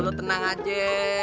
lo tenang aja